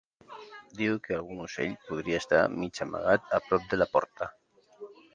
Diu que algun ocell podria estar mig amagat a prop de la porta.